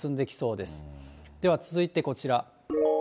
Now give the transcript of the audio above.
では続いてこちら。